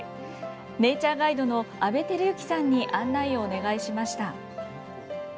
ネイチャーガイドの安倍輝行さんに案内をお願いしました。